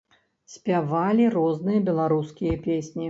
Спявалі розныя беларускія песні.